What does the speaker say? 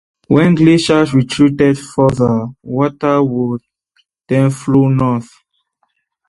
When the glaciers retreated further, water would then flow north.